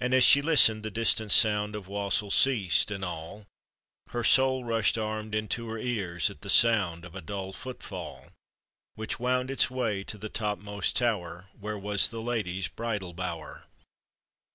And as she listened, the distant sound Of wassail ceased, and all Her soul rushed armed into her ears At sound of a dull foot fall Which wound its way to the topmost' tower Where was the lady's bridal bower.